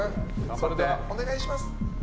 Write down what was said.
それではお願いします。